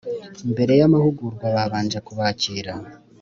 mbere y amahugurwa babanje kubakira